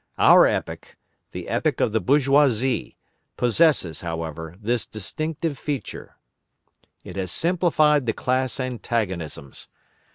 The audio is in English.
Our epoch, the epoch of the bourgeoisie, possesses, however, this distinctive feature: it has simplified the class antagonisms.